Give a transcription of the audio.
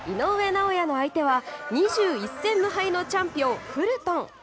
尚弥の相手は２１戦無敗のチャンピオンフルトン。